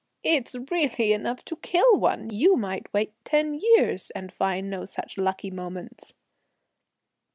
"It's really enough to kill one! you might wait ten years and find no such lucky moments!"